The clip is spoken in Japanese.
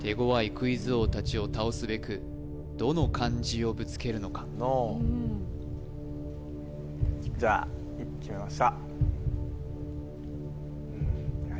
クイズ王達を倒すべくどの漢字をぶつけるのかじゃあ決めました